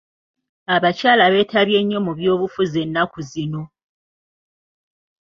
Abakyala beetabye nnyo mu byobufuzi nnaku zino.